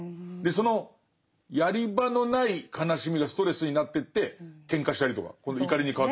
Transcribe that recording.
そのやり場のない悲しみがストレスになってってケンカしたりとか。